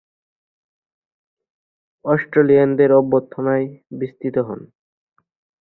অস্ট্রেলীয়দের অভ্যর্থনায় বিস্মিত হন।